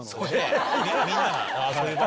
みんなが。